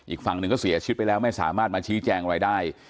อีกฝั่งหนึ่งก็เสียชีวิตไปแล้วไม่สามารถมาชี้แจงอะไรได้